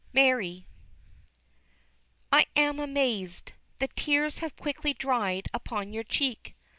MARY. I am amazed! the tears have quickly dried upon your cheek.